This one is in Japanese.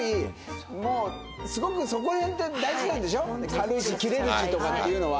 軽いし切れるしとかっていうのは。